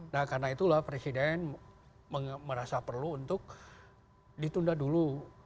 nah karena itulah presiden merasa perlu untuk ditunda dulu